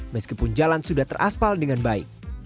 meskipun jalan sudah teraspal dengan baik